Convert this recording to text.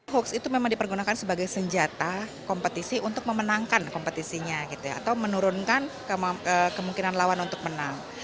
hoax itu memang dipergunakan sebagai senjata kompetisi untuk memenangkan kompetisinya gitu ya atau menurunkan kemungkinan lawan untuk menang